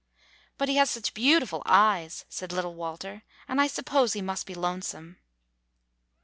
"But he has such beautiful eyes," said little Walter, "and I suppose he must be lonesome."